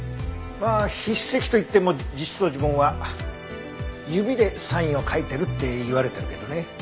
まあ筆跡といっても実相寺梵は指でサインを書いてるって言われてるけどね。